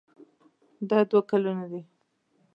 دا دوه ګلونه دي.